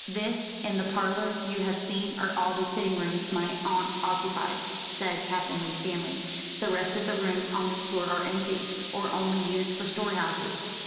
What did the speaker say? "This and the parlour you have seen are all the sitting rooms my aunt occupies," said Captain Winstanley; "the rest of the rooms on this floor are empty, or only used for storehouses.